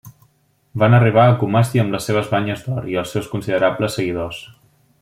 Van arribar a Kumasi amb les seves banyes d'or i els seus considerables seguidors.